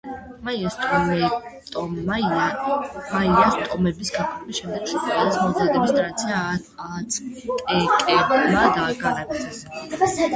მაიას ტომების გაქრობის შემდეგ შოკოლადის მომზადების ტრადიცია აცტეკებმა განაგრძეს.